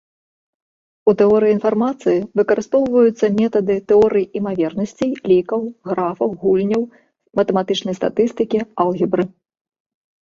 У тэорыі інфармацыі выкарыстоўваюцца метады тэорый імавернасцей, лікаў, графаў, гульняў, матэматычнай статыстыкі, алгебры.